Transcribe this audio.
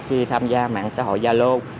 khi tham gia mạng xã hội gia lô